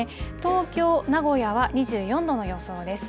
東京、名古屋は２４度の予想です。